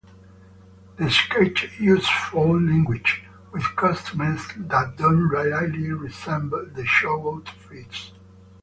The sketch uses foul language, with costumes that don't really resemble the shows outfits.